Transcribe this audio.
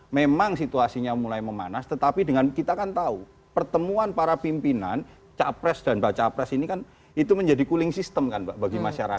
memang situasinya mulai memanas tetapi dengan kita kan tahu pertemuan para pimpinan capres dan baca pres ini kan itu menjadi cooling system kan pak bagi masyarakat